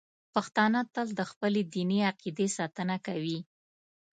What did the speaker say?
پښتانه تل د خپلې دیني عقیدې ساتنه کوي.